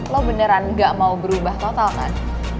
lo beneran gak mau berubah total kan